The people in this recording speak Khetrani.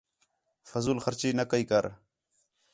فضول خرچی نہ کَئی کر